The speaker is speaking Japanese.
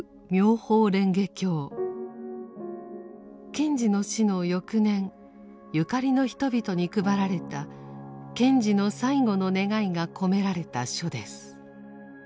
賢治の死の翌年ゆかりの人々に配られた賢治の最期の願いが込められた書です。